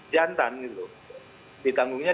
jantan itu ditanggungnya